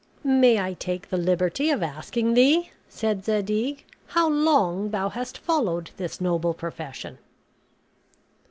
"May I take the liberty of asking thee," said Zadig, "how long thou hast followed this noble profession?"